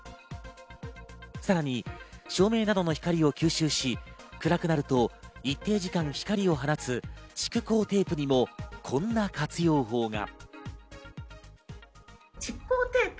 さらに、照明などの光を吸収し、暗くなると一定時間、光を放つ蓄光テープにもこんな活用法が。